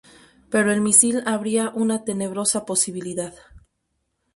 Pero el misil abría una tenebrosa posibilidad.